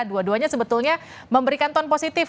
dua duanya sebetulnya memberikan tone positif